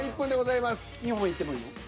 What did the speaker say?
２本いってもいいの？